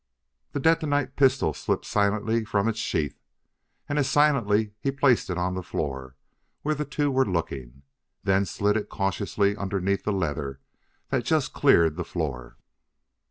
The detonite pistol slipped silently from its sheath. And as silently he placed it on the floor where the two were looking, then slid it cautiously underneath the leather that just cleared the floor.